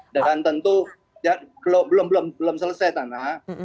dan tentu belum selesai tanah